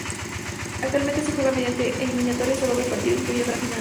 Actualmente se juega mediante eliminatorias a doble partido, incluyendo la final.